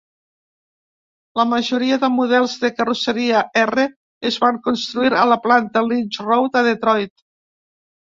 La majoria de models de carrosseria R es van construir a la planta Lynch Road a Detroit.